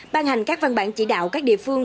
ban hành các văn bản chỉ đạo các địa phương